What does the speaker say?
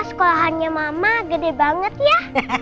sekolahannya mama gede banget ya